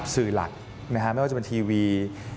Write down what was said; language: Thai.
สื่อหลักไม่ว่าจะเป็นทีวี